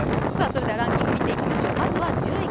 それでは、ランキング見ていきましょう。